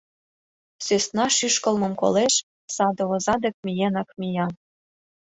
Сӧсна шӱшкылмым колеш — саде оза дек миенак мия.